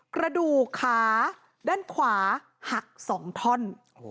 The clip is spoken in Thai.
กระดูกขาด้านขวาหัก๒ท่อน